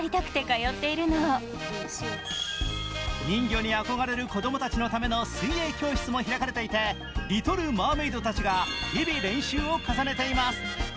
人魚に憧れる子供たちのための水泳教室も開かれていてリトルマーメイドたちが日々練習を重ねています。